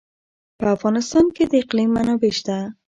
په افغانستان کې د اقلیم منابع شته.